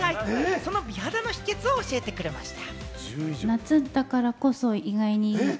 その美肌の秘訣を教えてくれました。